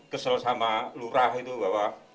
kesel sama lurah itu bahwa